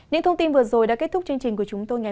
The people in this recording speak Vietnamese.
xin chào tạm biệt và hẹn gặp lại